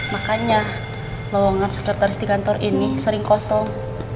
makanya lowongan sekretaris di kantor ini sering kosong